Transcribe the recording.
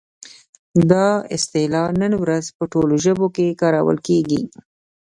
دا اصطلاح نن ورځ په ټولو ژبو کې کارول کیږي.